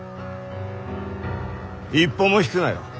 一歩も引くなよ。